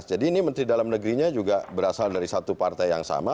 jadi ini menteri dalam negerinya juga berasal dari satu partai yang sama